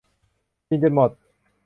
กินจดหมด